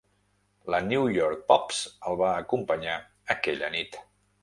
La "New York Pops" el va acompanyar aquella nit.